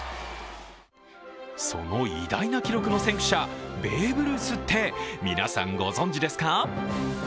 その偉大な記録の先駆者、ベーブ・ルースって皆さん、ご存じですか？